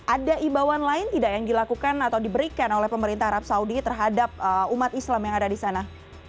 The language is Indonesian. ada imbauan lain tidak yang dilakukan atau diberikan oleh pemerintah arab saudi terhadap umat islam yang ada di sana